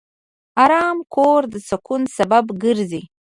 آرام کور د سکون سبب ګرځي.